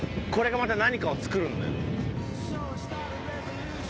これがまた何かを作るんだよ。